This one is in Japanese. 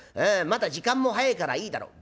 まだ時間も早いからいいだろう。